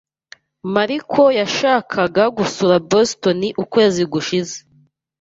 Mariko yashakaga gusura Boston ukwezi gushize.